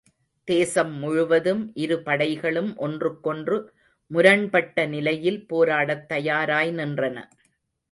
தேசம் முழுவதும் இரு படைகளும் ஒன்றுக்கொன்று முரண்பட்ட நிலையில் போராடத் தயாராய் நின்றன.